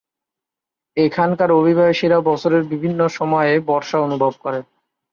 এখানকার অধিবাসীরা বছরের বিভিন্ন সময়ে বর্ষা অনুভব করে।